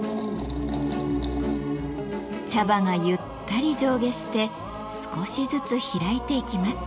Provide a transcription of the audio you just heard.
茶葉がゆったり上下して少しずつ開いていきます。